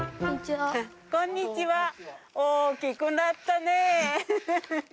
こんにちは大きくなったねぇエヘヘヘ。